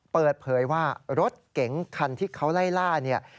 เปิดเผยว่ารถเก๋งคันที่เขาไล่ล่าเนี่ย